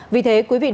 vì thế quý vị nếu có